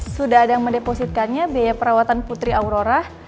sudah ada yang mendepositkannya biaya perawatan putri aurorah